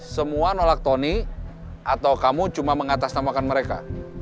semua nolak tony atau kamu cuma mengatasnamakan mereka